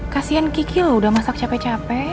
kasian kiki loh udah masak capek capek